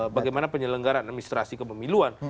bagaimana penyelenggaraan administrasi kepemiluan